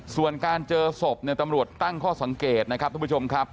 ส่วนการเจอศพเนี่ยตำรวจตั้งข้อสังเกตนะครับทุกผู้ชมครับ